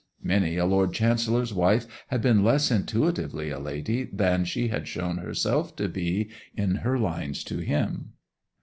Many a Lord Chancellor's wife had been less intuitively a lady than she had shown herself to be in her lines to him.